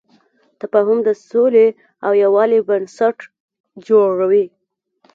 تفاهم د سولې او یووالي بنسټ جوړوي.